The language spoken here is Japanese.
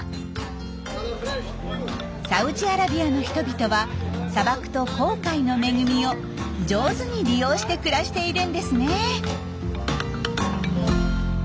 サウジアラビアの人々は砂漠と紅海の恵みを上手に利用して暮らしているんですね。